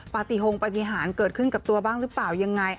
ปฏิโฮงปฏิหารเกิดขึ้นกับตัวบ้างหรือเปล่ายังไง